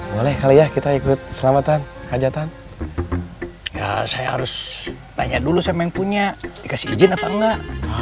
boleh kali ya kita ikut selamatan kajatan saya harus tanya dulu saya punya dikasih izin apa enggak